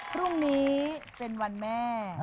พรุ่งนี้เป็นวันแม่